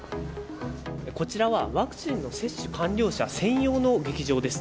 こちらはワクチンの接種完了者専用の劇場です。